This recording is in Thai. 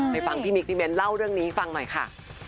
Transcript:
ฟังพี่มิ๊กพี่เบ้นเล่าเรื่องนี้ให้ฟังหน่อยค่ะ